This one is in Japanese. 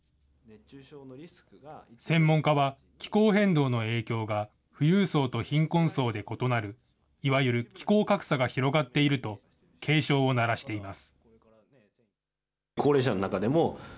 専門家は、気候変動の影響が富裕層と貧困層で異なる、いわゆる気候格差が広がっていると、警鐘を鳴らしています。